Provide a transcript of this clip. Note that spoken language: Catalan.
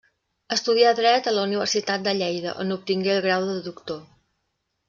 Estudià dret a la Universitat de Lleida on obtingué el grau de doctor.